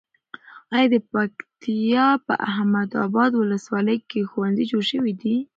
ایا د پکتیا په احمد اباد ولسوالۍ کې ښوونځي جوړ شوي دي؟